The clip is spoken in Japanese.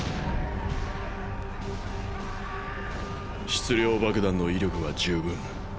質量爆弾の威力は十分。